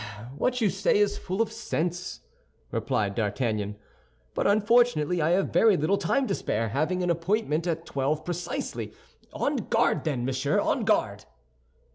"What you say is full of sense," replied D'Artagnan; "but unfortunately I have very little time to spare, having an appointment at twelve precisely. On guard, then, monsieur, on guard!"